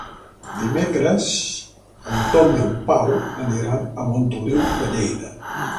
Dimecres en Tom i en Pau aniran a Montoliu de Lleida.